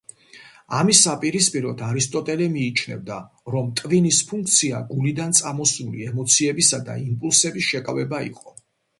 ამის საპირისპიროდ, არისტოტელე მიიჩნევდა, რომ ტვინის ფუნქცია გულიდან წამოსული ემოციებისა და იმპულსების შეკავება იყო.